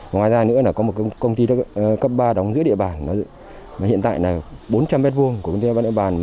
ngoài ra có một công ty cấp ba đóng giữa địa bàn hiện tại là bốn trăm linh m hai của công ty cấp ba địa bàn